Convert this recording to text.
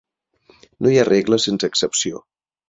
No hi ha regla sense excepció.